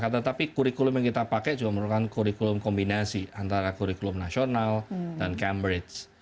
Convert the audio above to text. tetapi kurikulum yang kita pakai juga merupakan kurikulum kombinasi antara kurikulum nasional dan cambridge